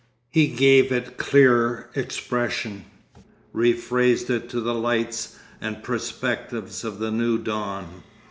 He gave it clearer expression, rephrased it to the lights and perspectives of the new dawn....